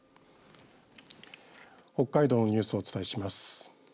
北海道のニュースをお伝えします。